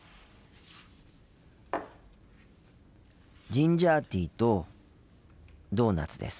ジンジャーティーとドーナツです。